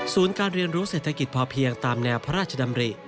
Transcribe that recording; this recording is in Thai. การเรียนรู้เศรษฐกิจพอเพียงตามแนวพระราชดำริ